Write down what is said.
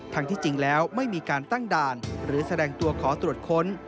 ที่จริงแล้วไม่มีการตั้งด่านหรือแสดงตัวขอตรวจค้น